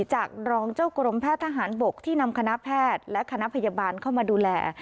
จากรองเจ้ากรมแพทย์ทหารบกที่นำคณะแพทย์และคณะพยาบาลเข้ามาดูแล